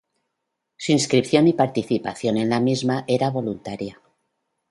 Su inscripción y participación en la misma era voluntaria.